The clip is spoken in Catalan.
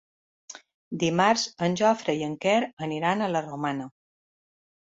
Dimarts en Jofre i en Quer iran a la Romana.